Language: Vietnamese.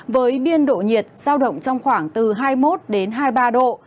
với biên độ nhiệt giao động trong khoảng từ hai mươi một hai mươi ba độ